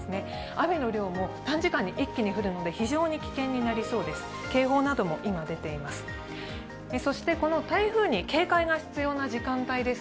雨の量も短時間に一気に降るので非常に危険になりそうです。